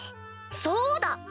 そうだ！